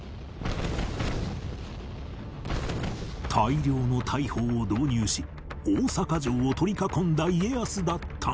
大量の大砲を導入し大坂城を取り囲んだ家康だったが